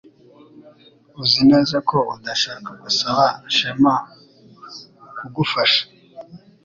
Uzi neza ko udashaka gusaba Shema kugufasha